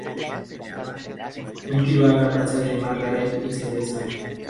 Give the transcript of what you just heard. Nucky va a la casa de Margaret y se besan.